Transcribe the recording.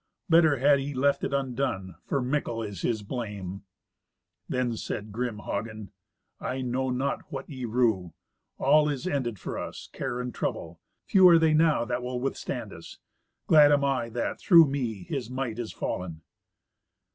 Better had he left it undone, for mickle is his blame." Then said grim Hagen, "I know not what ye rue. All is ended for us—care and trouble. Few are they now that will withstand us. Glad am I that, through me, his might is fallen."